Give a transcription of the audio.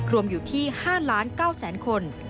รวมอยู่ที่๕ล้าน๙แสนคน